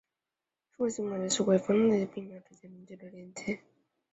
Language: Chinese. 社会行为与社会分类并没有直接明确的连结。